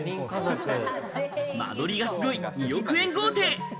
間取りがすごい、２億円豪邸。